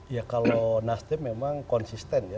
ya kalau nasdem memang konsisten ya